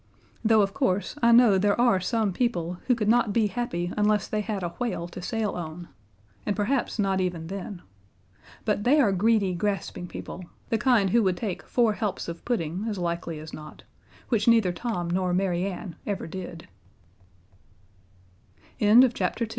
Though, of course, I know there are some people who could not be happy unless they had a whale to sail on, and perhaps not even then. But they are greedy, grasping people, the kind who would take four helps of pudding, as likely as not, which n